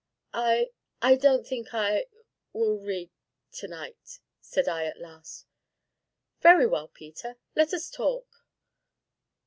"I I don't think I will read to night!" said I at last. "Very well, Peter, let us talk."